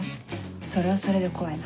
それはそれで怖いな。